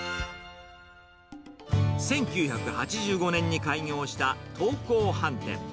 １９８５年に開業した東光飯店。